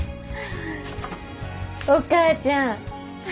お母ちゃん